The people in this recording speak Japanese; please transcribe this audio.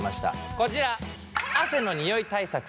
こちら。